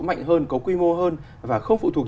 mạnh hơn có quy mô hơn và không phụ thuộc